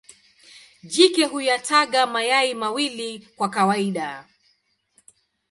Jike huyataga mayai mawili kwa kawaida.